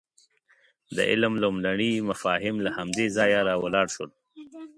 د علم لومړني مفاهیم له همدې ځایه راولاړ شول.